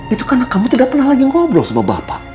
itu karena kamu tidak pernah lagi ngobrol sama bapak